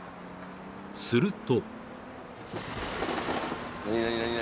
［すると］